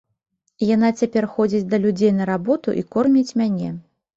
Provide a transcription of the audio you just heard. Яна цяпер ходзіць да людзей на работу і корміць мяне.